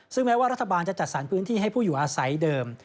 ซึ่งแม้ว่ารัฐบาลจะจัดสรรพื้นที่ให้ผู้อยู่อาศัยเดิม